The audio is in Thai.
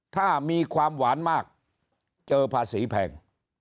ถ้ามีความหวานมากเจอภาษีแพง